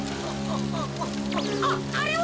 あっあれは！？